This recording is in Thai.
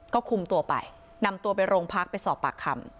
ก็คุมตัวไปนำตัวไปโรงพักไปสอบปากคำ